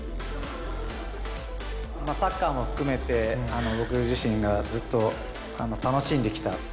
サッカーもふくめてぼく自身がずっと楽しんできた。